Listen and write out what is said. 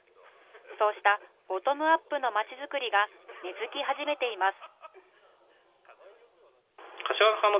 そうしたボトムアップのまちづくりが根づき始めています。